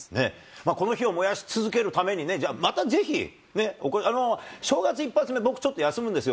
この火を燃やし続けるためにね、じゃあまたぜひね、正月一発目、僕、ちょっと休むんですよ。